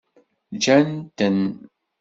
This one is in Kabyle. Ǧǧan-ten.